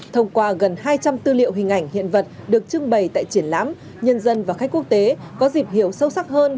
thông qua gần hai trăm linh tư liệu hình ảnh hiện vật được trưng bày tại triển lãm nhân dân và khách quốc tế có dịp hiểu sâu sắc hơn